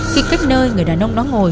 khi cách nơi người đàn ông đó ngồi